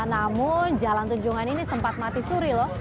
namun jalan tunjungan ini sempat mati suri loh